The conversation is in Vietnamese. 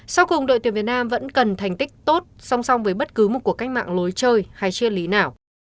sau cùng đội tuyển việt nam vẫn cần thành tích tốt song song với bất cứ một cuộc cách mạng lối chơi hay chia lý nào